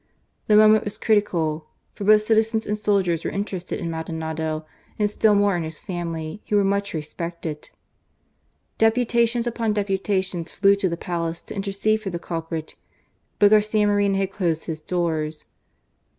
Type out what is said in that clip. The moment was critical; for botb citizens and soldiers were interested in Maldonado,. and still more in his family, who were much Deputations upon deputations flew to the Palace I to intercede for the culprit, but Garcia Moreno had I closed his doors.